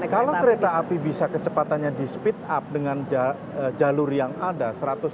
kalau kereta api bisa kecepatannya di speed up dengan jalur yang ada